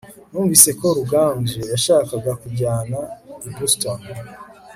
numvise ko ruganzu yashakaga kujyana i boston